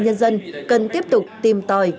nhân dân cần tiếp tục tìm tòi